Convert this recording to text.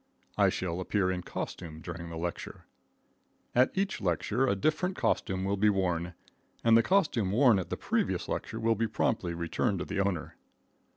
I shall appear in costume during the lecture. At each lecture a different costume will be worn, and the costume worn at the previous lecture will be promptly returned to the owner.